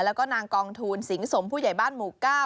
แล้วก็นางกองทูลสิงสมผู้ใหญ่บ้านหมู่๙